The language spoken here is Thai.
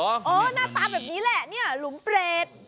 อ๋อหน้าตาแบบนี้แหละหลุมเปรต